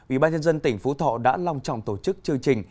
ubnd tỉnh phú thọ đã long trọng tổ chức chương trình